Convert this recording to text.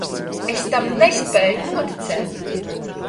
Es tam nespēju noticēt.